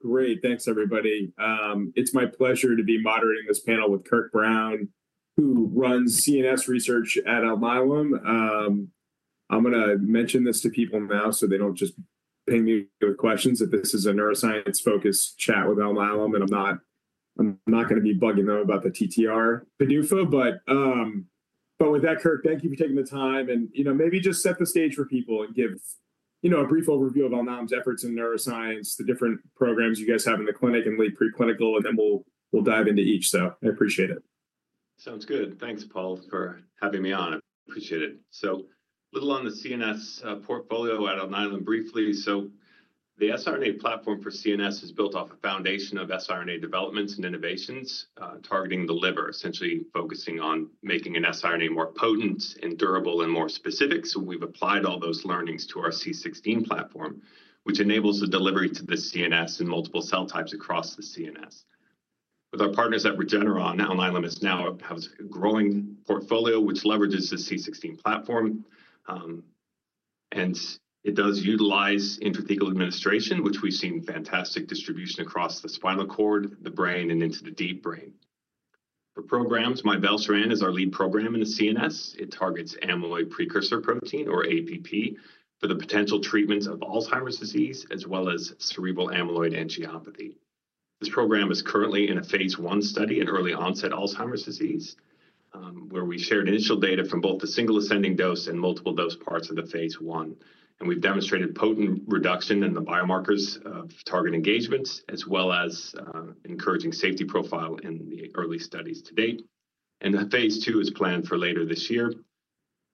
Great. Thanks, everybody. It's my pleasure to be moderating this panel with Kirk Brown, who runs CNS research at Alnylam. I'm going to mention this to people now so they don't just ping me with questions if this is a neuroscience-focused chat with Alnylam, and I'm not going to be bugging them about the TTR PDUFA. With that, Kirk, thank you for taking the time. Maybe just set the stage for people and give a brief overview of Alnylam's efforts in neuroscience, the different programs you guys have in the clinic and lead preclinical, and then we'll dive into each. I appreciate it. Sounds good. Thanks, Paul, for having me on. I appreciate it. A little on the CNS portfolio at Alnylam briefly. The siRNA platform for CNS is built off a foundation of siRNA developments and innovations targeting the liver, essentially focusing on making an siRNA more potent and durable and more specific. We have applied all those learnings to our C16 platform, which enables the delivery to the CNS and multiple cell types across the CNS. With our partners at Regeneron, Alnylam has now a growing portfolio which leverages the C16 platform. It does utilize intrathecal administration, which we have seen fantastic distribution across the spinal cord, the brain, and into the deep brain. For programs, mivelsiran is our lead program in the CNS. It targets amyloid precursor protein, or APP, for the potential treatments of Alzheimer's disease as well as cerebral amyloid angiopathy. This program is currently in a phase I study in early onset Alzheimer's disease, where we shared initial data from both the single ascending dose and multiple dose parts of the phase I. We have demonstrated potent reduction in the biomarkers of target engagements, as well as encouraging safety profile in the early studies to date. The phase II is planned for later this year.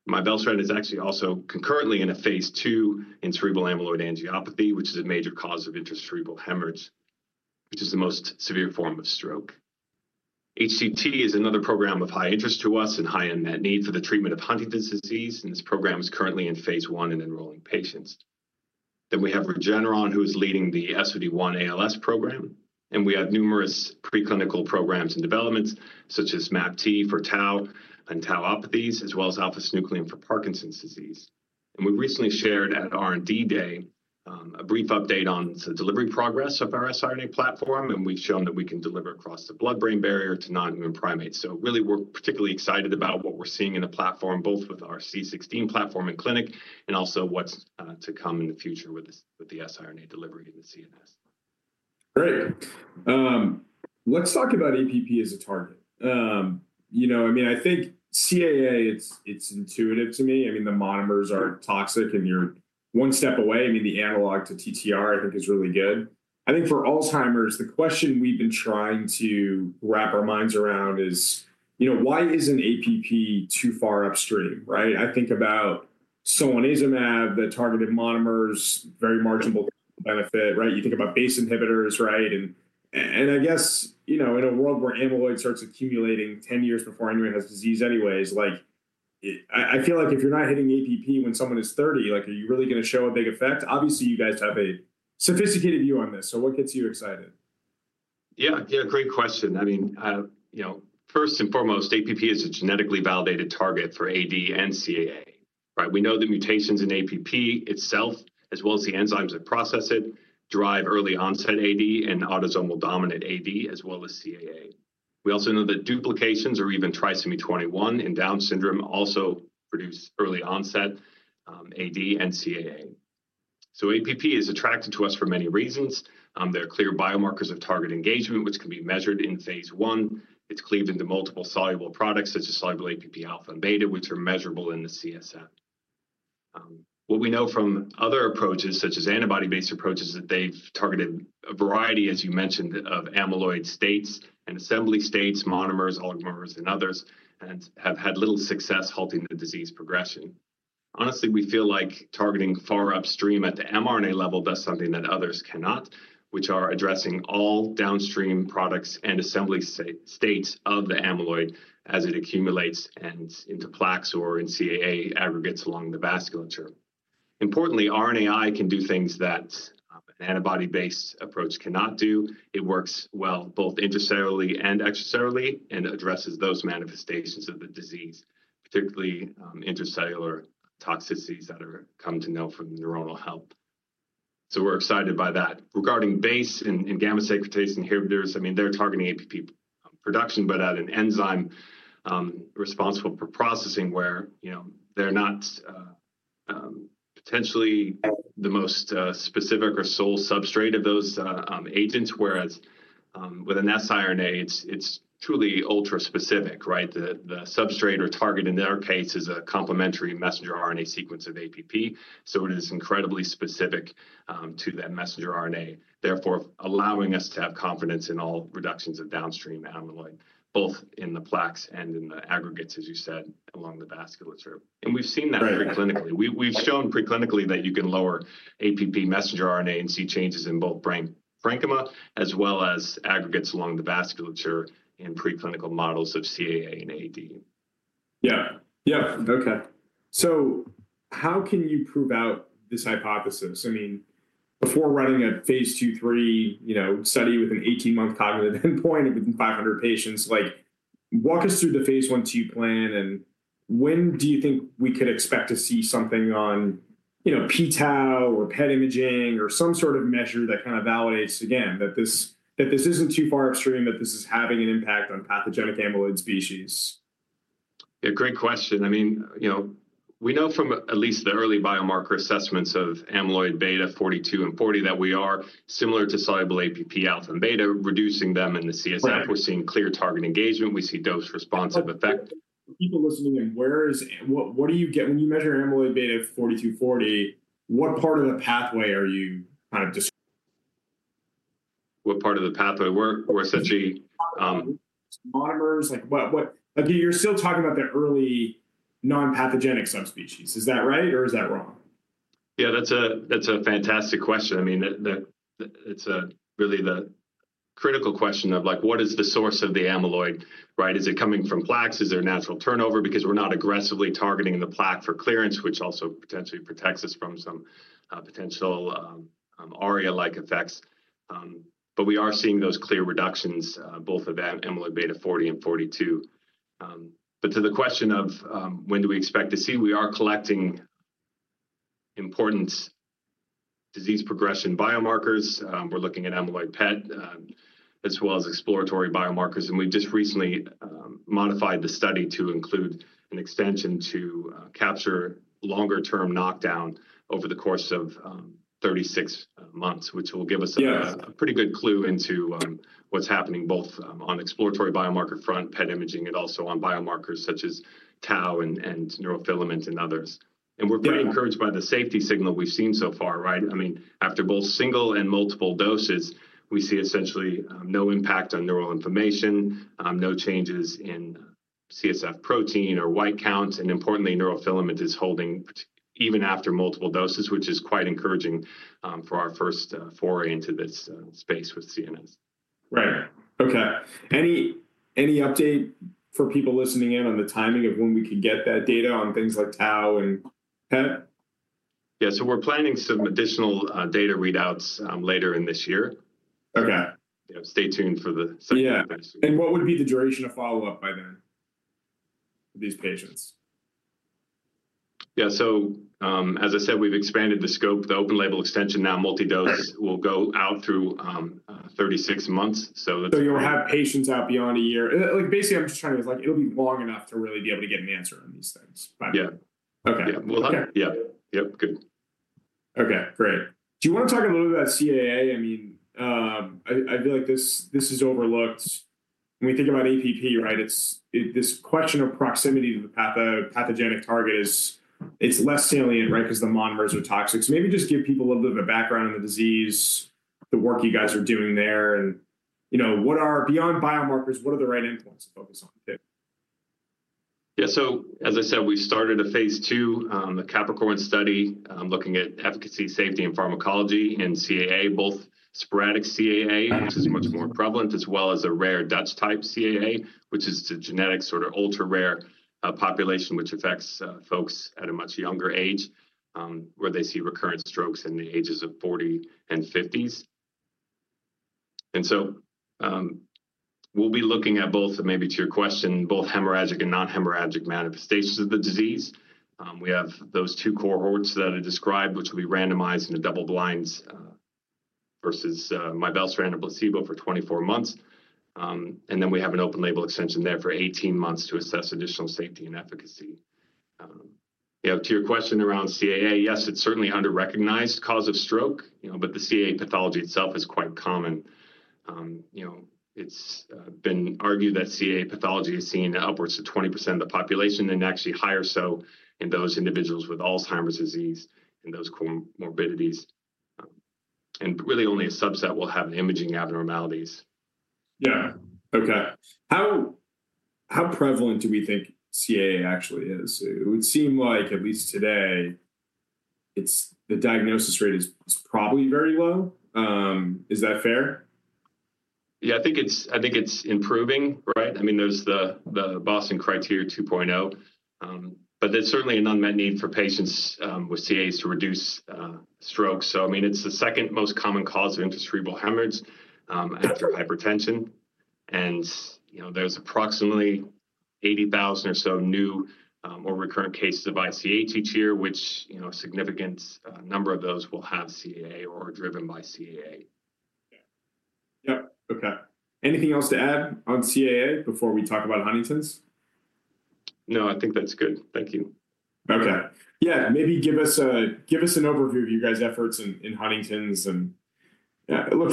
Mivelsiran is actually also concurrently in a phase II in cerebral amyloid angiopathy, which is a major cause of intracerebral hemorrhage, which is the most severe form of stroke. ALN-HTT is another program of high interest to us and high unmet need for the treatment of Huntington's disease. This program is currently in phase I in enrolling patients. We have Regeneron, who is leading the SOD1 ALS program. We have numerous preclinical programs and developments, such as MAPT for Tau and Tauopathies, as well as alpha-synuclein for Parkinson's disease. We recently shared at R&D Day a brief update on the delivery progress of our siRNA platform. We have shown that we can deliver across the blood-brain barrier to non-human primates. We are particularly excited about what we are seeing in the platform, both with our C16 platform in clinic and also what is to come in the future with the siRNA delivery in the CNS. Great. Let's talk about APP as a target. I mean, I think CAA, it's intuitive to me. I mean, the monomers are toxic, and you're one step away. I mean, the analog to TTR, I think, is really good. I think for Alzheimer's, the question we've been trying to wrap our minds around is, why isn't APP too far upstream? I think about solanezumab, the targeted monomers, very marginal benefit. You think about BACE inhibitors. I guess in a world where amyloid starts accumulating 10 years before anyone has disease anyways, I feel like if you're not hitting APP when someone is 30, are you really going to show a big effect? Obviously, you guys have a sophisticated view on this. What gets you excited? Yeah, yeah, great question. I mean, first and foremost, APP is a genetically validated target for AD and CAA. We know the mutations in APP itself, as well as the enzymes that process it, drive early onset AD and autosomal dominant AD, as well as CAA. We also know that duplications or even trisomy 21 in Down syndrome also produce early onset AD and CAA. APP is attractive to us for many reasons. There are clear biomarkers of target engagement, which can be measured in phase I. It's cleaved into multiple soluble products, such as soluble APP alpha and beta, which are measurable in the CSF. What we know from other approaches, such as antibody-based approaches, is that they've targeted a variety, as you mentioned, of amyloid states and assembly states, monomers, oligomers, and others, and have had little success halting the disease progression. Honestly, we feel like targeting far upstream at the mRNA level does something that others cannot, which are addressing all downstream products and assembly states of the amyloid as it accumulates and into plaques or in CAA aggregates along the vasculature. Importantly, RNAi can do things that an antibody-based approach cannot do. It works well both intracellularly and extracellularly and addresses those manifestations of the disease, particularly intracellular toxicities that are come to know from neuronal health. We are excited by that. Regarding BACE and gamma-secretase inhibitors, I mean, they are targeting APP production, but at an enzyme responsible for processing where they are not potentially the most specific or sole substrate of those agents, whereas with an siRNA, it is truly ultra-specific. The substrate or target, in their case, is a complementary messenger RNA sequence of APP. It is incredibly specific to that messenger RNA, therefore allowing us to have confidence in all reductions of downstream amyloid, both in the plaques and in the aggregates, as you said, along the vasculature. We have seen that preclinically. We have shown preclinically that you can lower APP messenger RNA and see changes in both brain parenchyma as well as aggregates along the vasculature in preclinical models of CAA and AD. Yeah, yeah, Ok. How can you prove out this hypothesis? I mean, before running a phase II, III study with an 18-month cognitive endpoint with 500 patients, walk us through the phase I, II plan. When do you think we could expect to see something on p-Tau or PET imaging or some sort of measure that kind of validates, again, that this is not too far upstream, that this is having an impact on pathogenic amyloid species? Yeah, great question. I mean, we know from at least the early biomarker assessments of amyloid beta 42 and 40 that we are similar to soluble APP alpha and beta, reducing them in the CSF. We're seeing clear target engagement. We see dose-responsive effect. For people listening in, what do you get when you measure amyloid beta 42, 40? What part of the pathway are you kind of? What part of the pathway? We're essentially. Monomers? You're still talking about the early non-pathogenic subspecies. Is that right, or is that wrong? Yeah, that's a fantastic question. I mean, it's really the critical question of what is the source of the amyloid? Is it coming from plaques? Is there natural turnover? Because we're not aggressively targeting the plaque for clearance, which also potentially protects us from some potential ARIA-like effects. We are seeing those clear reductions, both of that amyloid beta 40 and 42. To the question of when do we expect to see, we are collecting important disease progression biomarkers. We're looking at amyloid PET as well as exploratory biomarkers. We've just recently modified the study to include an extension to capture longer-term knockdown over the course of 36 months, which will give us a pretty good clue into what's happening both on exploratory biomarker front, PET imaging, and also on biomarkers such as Tau and neurofilament and others. We're pretty encouraged by the safety signal we've seen so far. I mean, after both single and multiple doses, we see essentially no impact on neural inflammation, no changes in CSF protein or white count. Importantly, neurofilament is holding even after multiple doses, which is quite encouraging for our first foray into this space with CNS. Right, Ok. Any update for people listening in on the timing of when we could get that data on things like Tau and PET? Yeah, so we're planning some additional data readouts later in this year. Ok. Stay tuned for the. Yeah. What would be the duration of follow-up by then for these patients? Yeah, so as I said, we've expanded the scope. The open-label extension now, multi-dose, will go out through 36 months. You'll have patients out beyond a year. Basically, I'm just trying to it'll be long enough to really be able to get an answer on these things. Yeah. Ok. Yeah, we'll have. Yeah, yep, good. Ok, great. Do you want to talk a little bit about CAA? I mean, I feel like this is overlooked. When we think about APP, this question of proximity to the pathogenic target, it's less salient because the monomers are toxic. Maybe just give people a little bit of a background on the disease, the work you guys are doing there. Beyond biomarkers, what are the right endpoints to focus on? Yeah, as I said, we started a phase II cAPPricorn study looking at efficacy, safety, and pharmacology in CAA, both sporadic CAA, which is much more prevalent, as well as a rare Dutch type CAA, which is the genetic sort of ultra-rare population which affects folks at a much younger age where they see recurrent strokes in the ages of 40 and 50s. We will be looking at both, maybe to your question, both hemorrhagic and non-hemorrhagic manifestations of the disease. We have those two cohorts that are described, which will be randomized in a double-blind versus mivelsiran and placebo for 24 months. We have an open-label extension there for 18 months to assess additional safety and efficacy. To your question around CAA, yes, it is certainly an under-recognized cause of stroke. The CAA pathology itself is quite common. It's been argued that CAA pathology is seen in upwards of 20% of the population and actually higher so in those individuals with Alzheimer's disease and those comorbidities. Really, only a subset will have imaging abnormalities. Yeah, ok. How prevalent do we think CAA actually is? It would seem like, at least today, the diagnosis rate is probably very low. Is that fair? Yeah, I think it's improving. I mean, there's the Boston Criteria 2.0. There's certainly an unmet need for patients with CAA to reduce strokes. I mean, it's the second most common cause of intracerebral hemorrhage after hypertension. There's approximately 80,000 or so new or recurrent cases of ICH each year, which a significant number of those will have CAA or are driven by CAA. Yeah, yeah, ok. Anything else to add on CAA before we talk about Huntington's? No, I think that's good. Thank you. Ok, yeah, maybe give us an overview of you guys' efforts in Huntington's. I mean,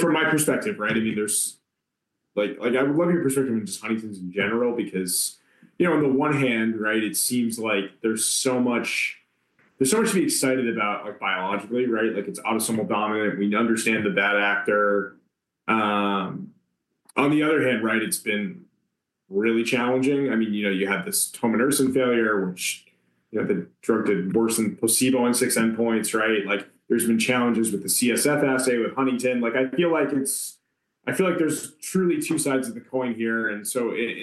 I would love your perspective on just Huntington's in general because on the one hand, it seems like there's so much to be excited about biologically. It's autosomal dominant. We understand the bad actor. On the other hand, it's been really challenging. I mean, you have this tominersen failure, which the drug did worsen placebo on six endpoints. There's been challenges with the CSF assay with Huntington. I feel like there's truly two sides of the coin here. In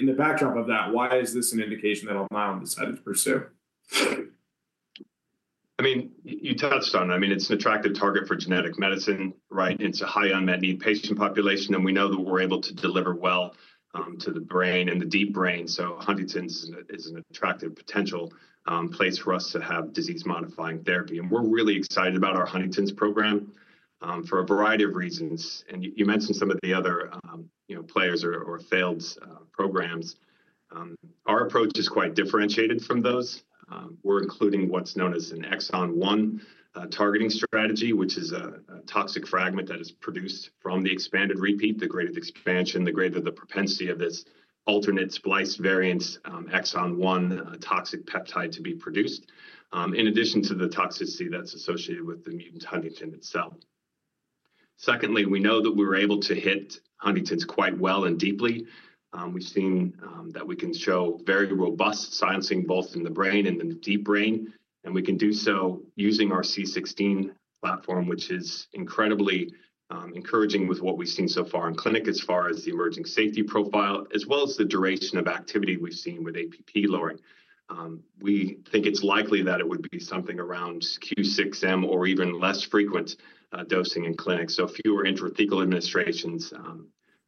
the backdrop of that, why is this an indication that Alnylam decided to pursue? I mean, you touched on it. I mean, it's an attractive target for genetic medicine. It's a high-unmet-need patient population. We know that we're able to deliver well to the brain and the deep brain. Huntington's is an attractive potential place for us to have disease-modifying therapy. We're really excited about our Huntington's program for a variety of reasons. You mentioned some of the other players or failed programs. Our approach is quite differentiated from those. We're including what's known as an exon 1 targeting strategy, which is a toxic fragment that is produced from the expanded repeat. The greater the expansion, the greater the propensity of this alternate spliced variant exon-1 toxic peptide to be produced, in addition to the toxicity that's associated with the mutant huntingtin itself. Secondly, we know that we were able to hit Huntington's quite well and deeply. We've seen that we can show very robust silencing both in the brain and in the deep brain. We can do so using our C16 platform, which is incredibly encouraging with what we've seen so far in clinic as far as the emerging safety profile, as well as the duration of activity we've seen with APP lowering. We think it's likely that it would be something around Q6M or even less frequent dosing in clinic. Fewer intrathecal administrations,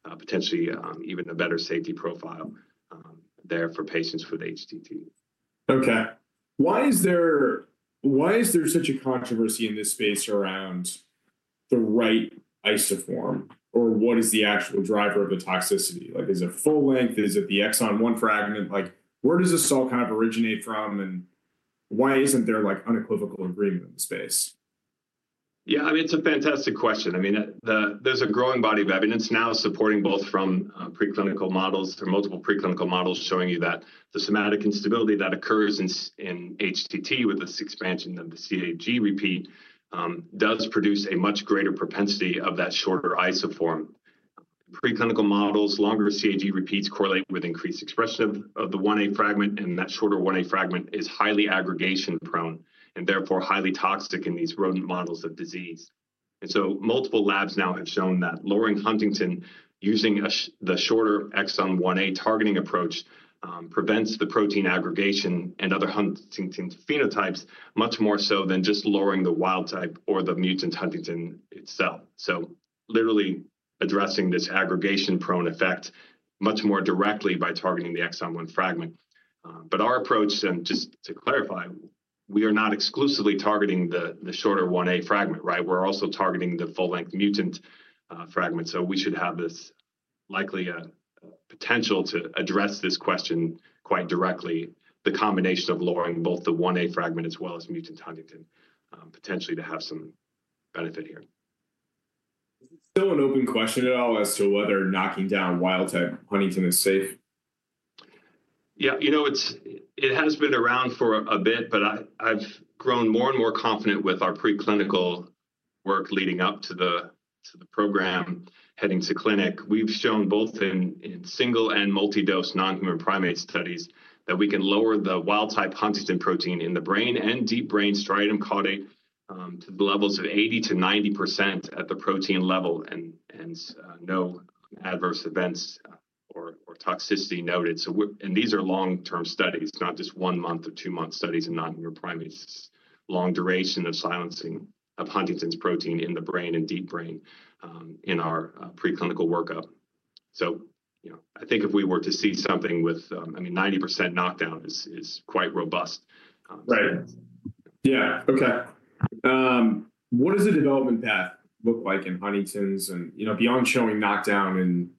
potentially even a better safety profile there for patients with HTT. Ok, why is there such a controversy in this space around the right isoform? Or what is the actual driver of the toxicity? Is it full-length? Is it the exon-1 fragment? Where does this all kind of originate from? And why isn't there unequivocal agreement in the space? Yeah, I mean, it's a fantastic question. I mean, there's a growing body of evidence now supporting both from preclinical models through multiple preclinical models showing you that the somatic instability that occurs in HTT with this expansion of the CAG repeat does produce a much greater propensity of that shorter isoform. Preclinical models, longer CAG repeats correlate with increased expression of the 1A fragment. That shorter 1A fragment is highly aggregation-prone and therefore highly toxic in these rodent models of disease. Multiple labs now have shown that lowering Huntington using the shorter exon 1A targeting approach prevents the protein aggregation and other Huntington phenotypes much more so than just lowering the wild type or the mutant Huntington itself. Literally addressing this aggregation-prone effect much more directly by targeting the exon-1 fragment. Our approach, and just to clarify, we are not exclusively targeting the shorter 1A fragment. We're also targeting the full-length mutant fragment. We should have this likely potential to address this question quite directly, the combination of lowering both the 1A fragment as well as mutant huntingtin potentially to have some benefit here. Is it still an open question at all as to whether knocking down wild-type Huntington is safe? Yeah, you know it has been around for a bit. But I've grown more and more confident with our preclinical work leading up to the program heading to clinic. We've shown both in single and multi-dose non-human primate studies that we can lower the wild-type Huntington protein in the brain and deep brain striatum caudate to the levels of 80%-90% at the protein level and no adverse events or toxicity noted. And these are long-term studies, not just one-month or two-month studies in non-human primates, long duration of silencing of Huntington's protein in the brain and deep brain in our preclinical workup. So I think if we were to see something with, I mean, 90% knockdown is quite robust. Right, yeah, ok. What does the development path look like in Huntington's? Beyond showing knockdown in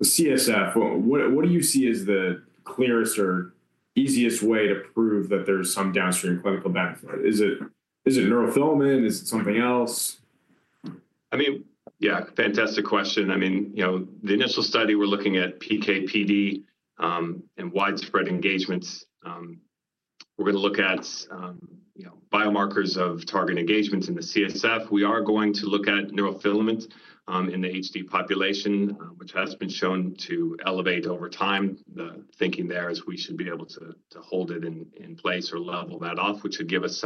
the CSF, what do you see as the clearest or easiest way to prove that there's some downstream clinical benefit? Is it neurofilament? Is it something else? I mean, yeah, fantastic question. I mean, the initial study, we're looking at PK/PD and widespread engagements. We're going to look at biomarkers of target engagements in the CSF. We are going to look at neurofilament in the HD population, which has been shown to elevate over time. The thinking there is we should be able to hold it in place or level that off, which would give us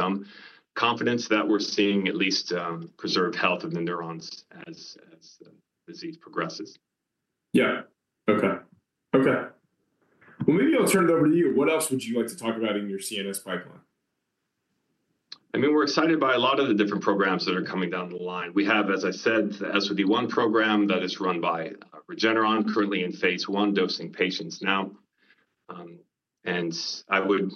some confidence that we're seeing at least preserved health of the neurons as the disease progresses. Yeah, ok, Ok. Maybe I'll turn it over to you. What else would you like to talk about in your CNS pipeline? I mean, we're excited by a lot of the different programs that are coming down the line. We have, as I said, the SOD1 program that is run by Regeneron currently in phase I dosing patients now. I would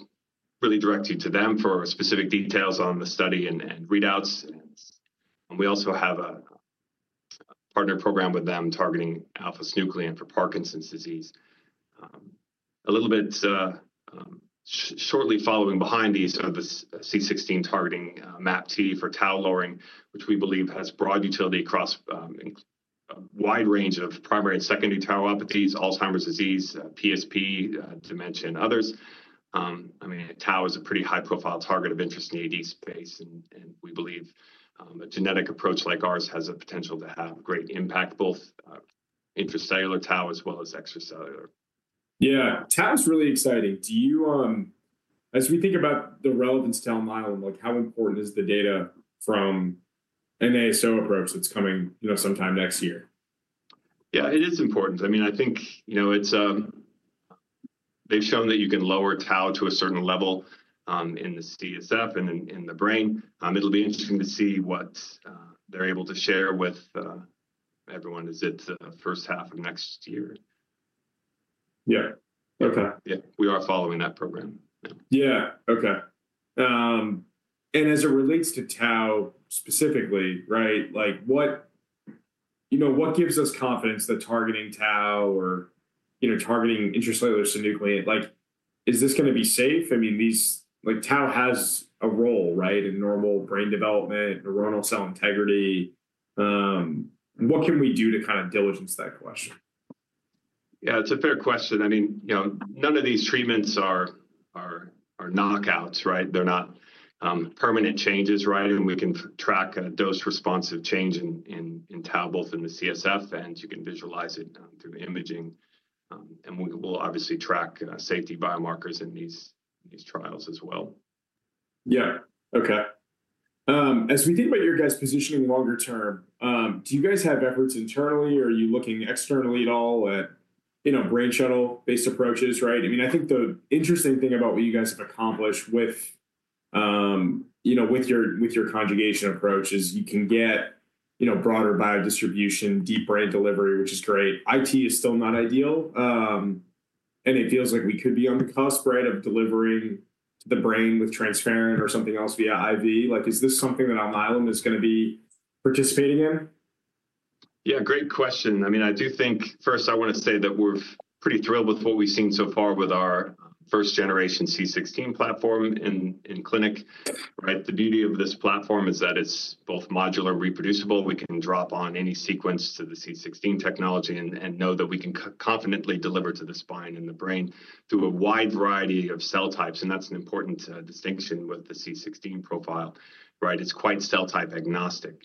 really direct you to them for specific details on the study and readouts. We also have a partner program with them targeting alpha-synuclein for Parkinson's disease. A little bit shortly following behind these are the C16 targeting MAPT for Tau lowering, which we believe has broad utility across a wide range of primary and secondary Tauopathies, Alzheimer's disease, PSP, dementia, and others. I mean, Tau is a pretty high-profile target of interest in the AD space. We believe a genetic approach like ours has the potential to have great impact, both intracellular Tau as well as extracellular. Yeah, Tau is really exciting. As we think about the relevance to Alnylam, how important is the data from an ASO approach that's coming sometime next year? Yeah, it is important. I mean, I think they've shown that you can lower Tau to a certain level in the CSF and in the brain. It'll be interesting to see what they're able to share with everyone as it's the first half of next year. Yeah, ok. Yeah, we are following that program. Ok. As it relates to Tau specifically, what gives us confidence that targeting Tau or targeting intracellular synuclein, is this going to be safe? I mean, Tau has a role in normal brain development, neuronal cell integrity. What can we do to kind of diligence that question? Yeah, it's a fair question. I mean, none of these treatments are knockouts. They're not permanent changes. We can track a dose-responsive change in Tau, both in the CSF, and you can visualize it through imaging. We will obviously track safety biomarkers in these trials as well. Yeah, ok. As we think about your guys' position in the longer term, do you guys have efforts internally? Are you looking externally at all at brain shuttle-based approaches? I mean, I think the interesting thing about what you guys have accomplished with your conjugation approach is you can get broader biodistribution, deep brain delivery, which is great. IT is still not ideal. It feels like we could be on the cusp of delivering the brain with transparent or something else via IV. Is this something that Alnylam is going to be participating in? Yeah, great question. I mean, I do think, first, I want to say that we're pretty thrilled with what we've seen so far with our first-generation C16 platform in clinic. The beauty of this platform is that it's both modular, reproducible. We can drop on any sequence to the C16 technology and know that we can confidently deliver to the spine and the brain through a wide variety of cell types. That's an important distinction with the C16 profile. It's quite cell-type agnostic.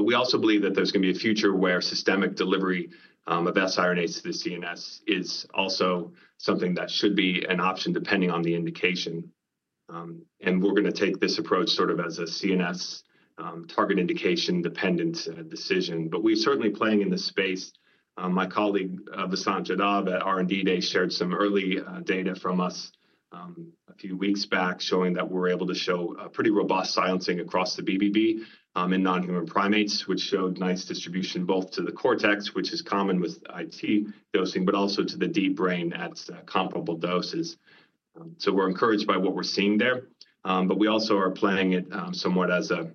We also believe that there's going to be a future where systemic delivery of siRNAs to the CNS is also something that should be an option depending on the indication. We're going to take this approach sort of as a CNS target indication-dependent decision. We're certainly playing in the space. My colleague Vasant Jadhav at R&D Day shared some early data from us a few weeks back showing that we're able to show pretty robust silencing across the BBB in non-human primates, which showed nice distribution both to the cortex, which is common with IT dosing, but also to the deep brain at comparable doses. We are encouraged by what we're seeing there. We also are planning it somewhat as a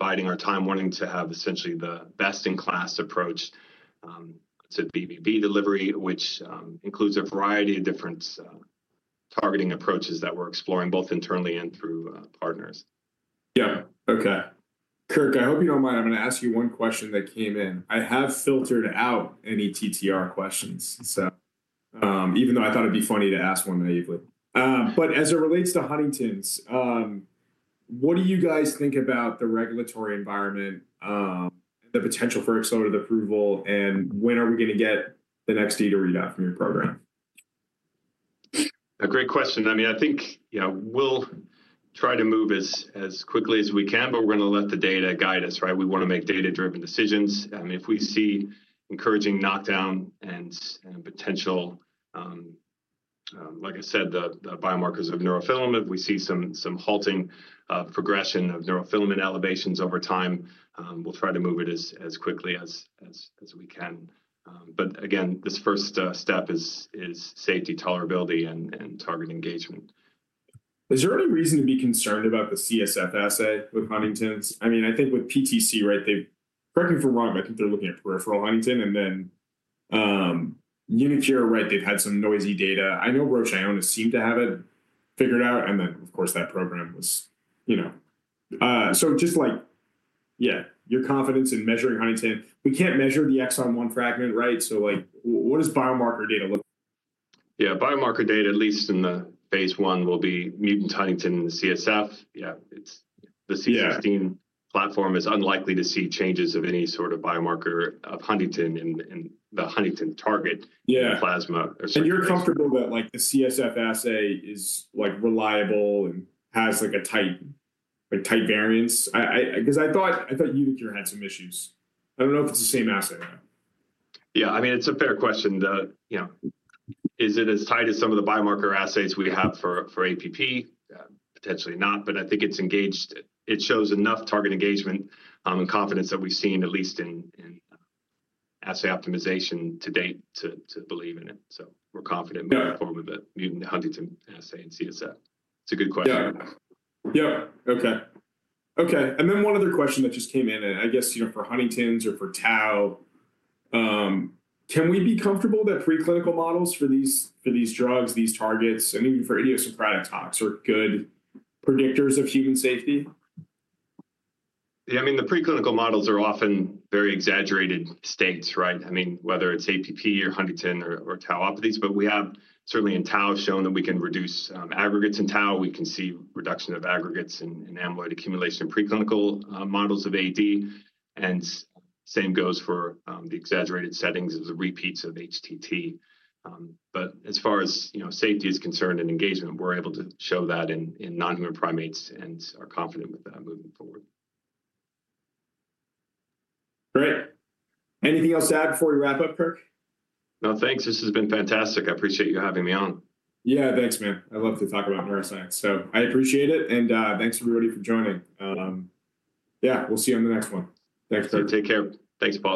biding our time, wanting to have essentially the best-in-class approach to BBB delivery, which includes a variety of different targeting approaches that we're exploring both internally and through partners. Yeah, ok. Kirk, I hope you don't mind. I'm going to ask you one question that came in. I have filtered out any TTR questions, even though I thought it'd be funny to ask one naively. As it relates to Huntington's, what do you guys think about the regulatory environment, the potential for accelerated approval, and when are we going to get the next data readout from your program? A great question. I mean, I think we'll try to move as quickly as we can. We are going to let the data guide us. We want to make data-driven decisions. If we see encouraging knockdown and potential, like I said, the biomarkers of neurofilament, if we see some halting progression of neurofilament elevations over time, we'll try to move it as quickly as we can. Again, this first step is safety, tolerability, and target engagement. Is there any reason to be concerned about the CSF assay with Huntington's? I mean, I think with PTC, correct me if I'm wrong, I think they're looking at peripheral Huntington. And then uniQure, they've had some noisy data. I know Roche Ionis seemed to have it figured out. Of course, that program was. Just like, yeah, your confidence in measuring Huntington. We can't measure the exon-1 fragment, right? What does biomarker data look like? Yeah, biomarker data, at least in the phase I, will be mutant huntingtin in the CSF. Yeah, the C16 platform is unlikely to see changes of any sort of biomarker of Huntington in the Huntington target plasma. You're comfortable that the CSF assay is reliable and has a tight variance? Because I thought uniQure had some issues. I don't know if it's the same assay or not. Yeah, I mean, it's a fair question. Is it as tight as some of the biomarker assays we have for APP? Potentially not. I think it shows enough target engagement and confidence that we've seen, at least in assay optimization to date, to believe in it. We're confident. Yeah. With the mutant huntingtin assay in CSF. It's a good question. Yeah, ok. Ok, and then one other question that just came in. I guess for Huntington's or for Tau, can we be comfortable that preclinical models for these drugs, these targets, I mean, for idiosyncratic tox are good predictors of human safety? Yeah, I mean, the preclinical models are often very exaggerated states, I mean, whether it's APP or Huntington or Tauopathies. But we have certainly in Tau shown that we can reduce aggregates in Tau. We can see reduction of aggregates and amyloid accumulation in preclinical models of AD. And same goes for the exaggerated settings of the repeats of HTT. But as far as safety is concerned and engagement, we're able to show that in non-human primates and are confident with that moving forward. Great. Anything else to add before we wrap up, Kirk? No, thanks. This has been fantastic. I appreciate you having me on. Yeah, thanks, man. I love to talk about neuroscience. I appreciate it. Thanks, everybody, for joining. Yeah, we'll see you on the next one. Thanks, Kirk. Take care. Thanks both.